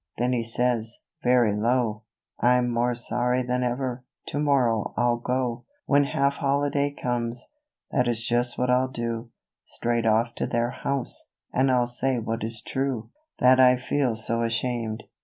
Then he says, very low " I'm more sorry than ever, to morrow I'll go, When half holiday comes, that is just what I'll do, Straight off to their house, and I'll say what is true, That I feel so ashamed.